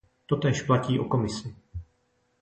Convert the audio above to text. Totéž platí o Komisi.